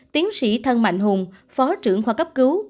tiến sĩ thân mạnh hùng phó trưởng khoa cấp cứu